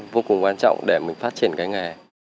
vô cùng quan trọng để mình phát triển cái nghề